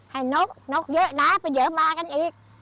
ให้นกนกเยอะนะไปเยอะมากันอีก